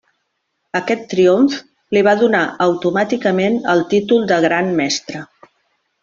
Aquest triomf li va donar automàticament el títol de Gran Mestre.